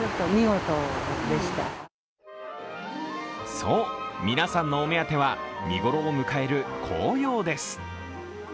そう、皆さんのお目当ては見頃を迎える紅葉です。